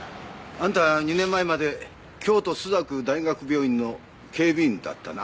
あんた２年前まで京都朱雀大学病院の警備員だったな？